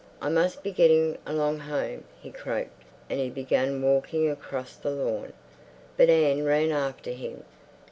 "I must be getting along home," he croaked, and he began walking across the lawn. But Anne ran after him.